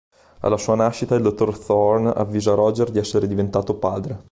Alla sua nascita, il dottor Thorn avvisa Roger di essere diventato padre.